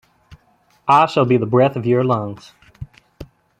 I shall be the breath of your lungs.